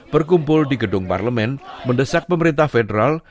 berkumpul di gedung parlemen mendesak pemerintah federal